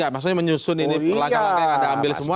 maksudnya menyusun ini pelanggan pelanggan yang anda ambil semua